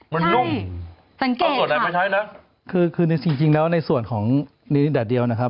เป็นสูตรของบางจาของร้านนี้โดยเฉพาะ